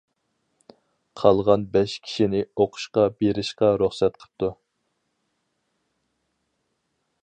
قالغان بەش كىشىنى ئوقۇشقا بېرىشقا رۇخسەت قىپتۇ.